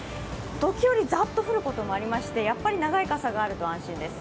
時折ザッと降ることもありまして、やはり長い傘があると安心です。